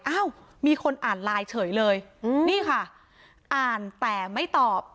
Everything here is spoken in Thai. อ้าวมีคนอ่านไลน์เฉยเลยอืมนี่ค่ะอ่านแต่ไม่ตอบ